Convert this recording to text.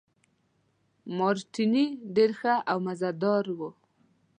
مارټیني ډېر ښه او مزه دار وو.